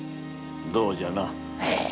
どうじゃな。